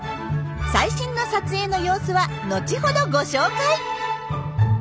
最新の撮影の様子は後ほどご紹介！